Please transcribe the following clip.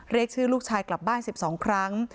เรียกชื่อลูกชายกลับบ้าน๑๒ครั้ง